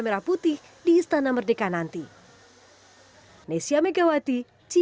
merah putih di istana merdeka nanti